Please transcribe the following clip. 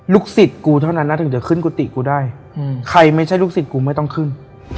สิทธิ์กูเท่านั้นนะถึงจะขึ้นกุฏิกูได้ใครไม่ใช่ลูกศิษย์กูไม่ต้องขึ้น